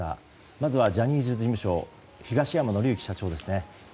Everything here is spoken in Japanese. まずはジャニーズ事務所東山紀之社長ですね。